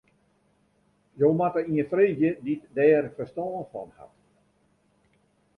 Jo moatte ien freegje dy't dêr ferstân fan hat.